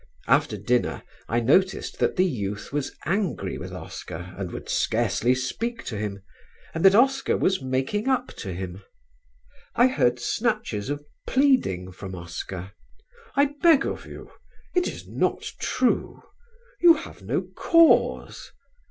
After dinner I noticed that the youth was angry with Oscar and would scarcely speak to him, and that Oscar was making up to him. I heard snatches of pleading from Oscar "I beg of you.... It is not true.... You have no cause"....